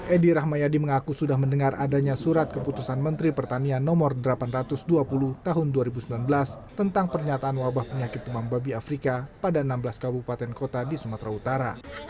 edi rahmayadi mengaku sudah mendengar adanya surat keputusan menteri pertanian no delapan ratus dua puluh tahun dua ribu sembilan belas tentang pernyataan wabah penyakit demam babi afrika pada enam belas kabupaten kota di sumatera utara